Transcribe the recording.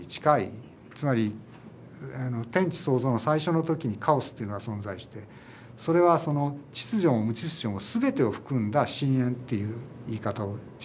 つまり天地創造の最初の時にカオスっていうのが存在してそれは秩序も無秩序もすべてを含んだ深淵っていう言い方をしてますね。